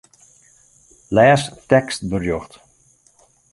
Lês tekstberjocht.